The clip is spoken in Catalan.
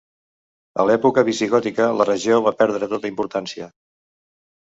A l'època visigòtica la regió va perdre tota importància.